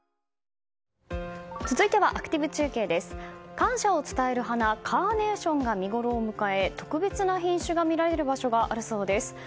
感謝を伝える花カーネーションが見ごろを迎え特別な品種が見られる場所があるそうです。